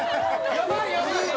やばいやばい！